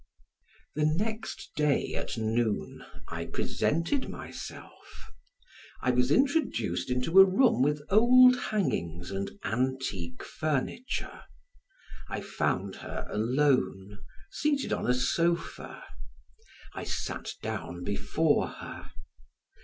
The next day at noon I presented myself. I was introduced into a room with old hangings and antique furniture. I found her alone, seated on a sofa. I sat down before her.